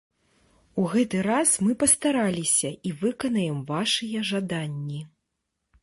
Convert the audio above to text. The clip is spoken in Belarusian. У гэты раз мы пастараліся і выканаем вашыя жаданні!